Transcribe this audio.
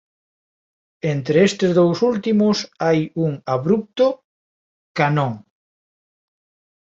Entre estes dous últimos hai un abrupto canón.